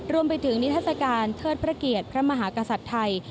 รวมไปถึงนิทัศกาลเทิดพระเกียรติพระมหากษัตริย์ไทย